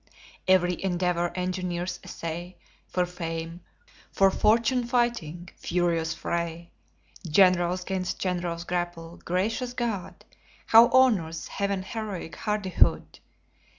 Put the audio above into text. Every endeavor engineers essay, For fame, for fortune fighting furious fray! Generals 'gainst generals grapple gracious God! How honors Heaven heroic hardihood!